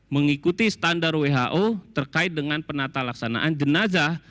mengikuti standar who terkait dengan penata laksanaan jenazah